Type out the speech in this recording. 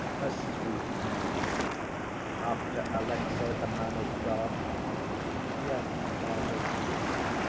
"A sweet name. After Alexey, the man of God?" "Yes, Father."